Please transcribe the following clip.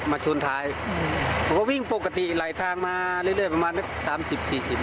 มาชนท้ายเขาก็วิ่งปกติไหลทางมาเรื่อยเบียบประมาณสามสิบสี่สิบ